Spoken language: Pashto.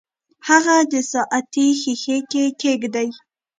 هغه د ساعتي ښيښې کې کیږدئ.